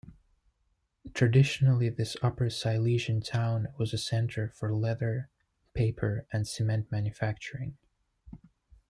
Traditionally this Upper Silesian town was a centre for leather, paper and cement manufacturing.